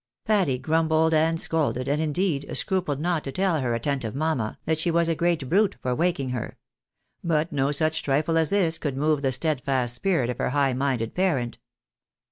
Patty grumbled and scolded, and, indeed, scrupled not to tell her attentive mamma that she was a great brute for waking her ; but no such trifle as this could move the steadfast spirit of her high minded parent.